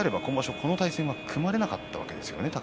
この対戦は組まれなかったわけですね。